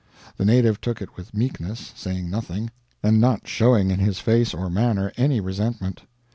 The native took it with meekness, saying nothing, and not showing in his face or manner any resentment.